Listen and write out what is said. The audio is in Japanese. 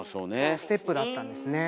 ステップだったんですね。